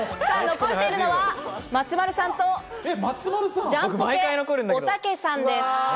残っているのは松丸さんとジャンポケおたけさんです。